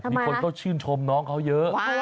มีคนเขาชื่นชมน้องเขาเยอะ